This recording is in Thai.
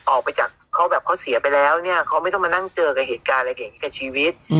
ออกไปจากเขาแบบเขาเสียไปแล้วเนี่ยเขาไม่ต้องมานั่งเจอกับเหตุการณ์อะไรอย่างนี้กับชีวิต